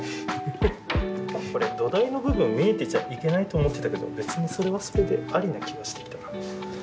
これ土台の部分見えてちゃいけないと思ってたけど別にそれはそれでありな気がしてきた。